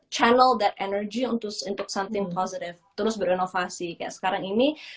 channel that energy untuk something positive terus berinovasi kayak sekarang ini